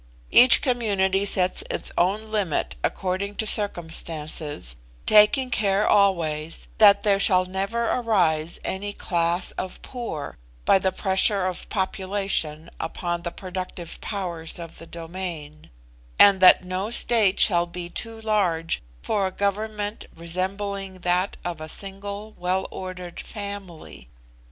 Each community sets its own limit according to circumstances, taking care always that there shall never arise any class of poor by the pressure of population upon the productive powers of the domain; and that no state shall be too large for a government resembling that of a single well ordered family.